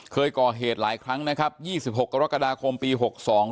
เคยก่อเหตุหลายครั้งนะครับยี่สิบหกกรกฎาคมปีหกสอง